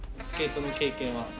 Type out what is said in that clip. スケートの経験は？